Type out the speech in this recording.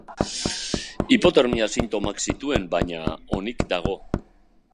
Hipotermia sintomak zituen baina, onik dago.